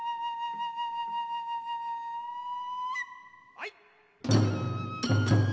はい！